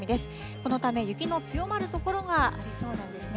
このため、雪の強まる所がありそうなんですね。